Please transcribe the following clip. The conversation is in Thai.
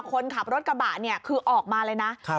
คนขับรถกระบะเนี่ยคือออกมาเลยนะ